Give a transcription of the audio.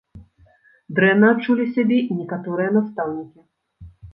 Дрэнна адчулі сябе і некаторыя настаўнікі.